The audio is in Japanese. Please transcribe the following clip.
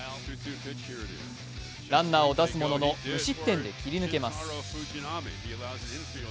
ランナーを出すものの無失点で切り抜けます。